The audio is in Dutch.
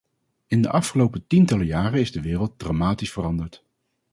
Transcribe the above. In de afgelopen tientallen jaren is de wereld dramatisch veranderd.